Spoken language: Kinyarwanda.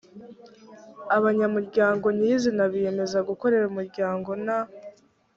abanyamuryango nyirizina biyemeza gukorera umuryango nta